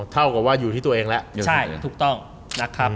เท่ากับว่าอยู่ที่ตัวเองแล้วถูกต้องนะครับ